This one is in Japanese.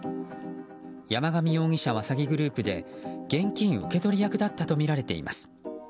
山上容疑者は詐欺グループで現金受け取り役だったとみられています。